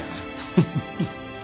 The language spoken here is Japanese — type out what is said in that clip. フフフ。